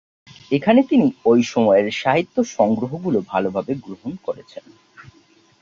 এখানে তিনি ঐ-সময়ের সাহিত্য-সংগ্রহগুলো ভালোভাবে গ্রহণ করেছেন।